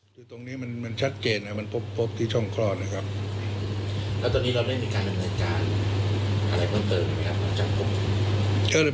ตรงนี้มันชัดเจนมันพบโครบที่ช่องคลอดนะครับ